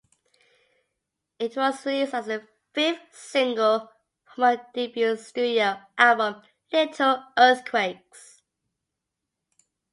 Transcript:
It was released as the fifth single from her debut studio album "Little Earthquakes".